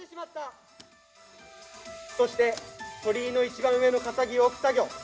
・そして鳥居の一番上の「笠木」を置く作業。